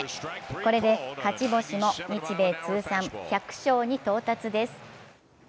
これで勝ち星も日米通算１００勝に到達です。